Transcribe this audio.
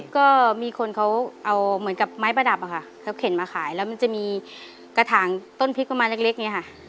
ก็มีคนเขาเอาเหมือนกับไม้ประดับอะค่ะเขาเข็นมาขายแล้วมันจะมีกระถางต้นพริกประมาณเล็กเนี่ยค่ะ